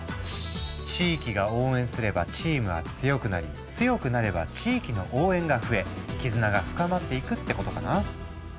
地域が応援すればチームは強くなり強くなれば地域の応援が増え絆が深まっていくってことかな。